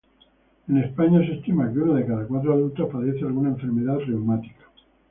En España se estima que uno de cada cuatro adultos padece alguna enfermedad reumática.